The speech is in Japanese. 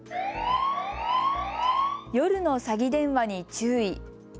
夜の詐欺電話に注意。